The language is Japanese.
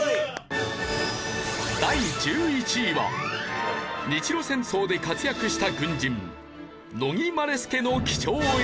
第１１位は日露戦争で活躍した軍人乃木希典の貴重映像。